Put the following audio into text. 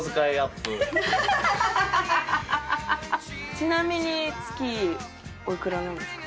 ちなみに月おいくらなんですか？